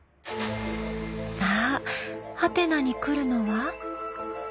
さあハテナに来るのは？